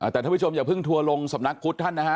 แต่ท่านผู้ชมอย่าเพิ่งทัวร์ลงสำนักพุทธท่านนะฮะ